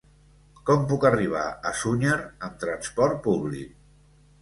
Com puc arribar a Sunyer amb trasport públic?